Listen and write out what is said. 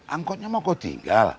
angkotnya mau kau tinggal